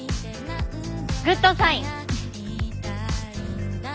グッドサイン！